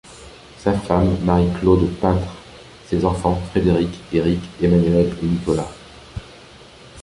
Sa femme Marie Claude peintre, ses enfants Frédéric, Eric, Emmanuelle et Nicolas.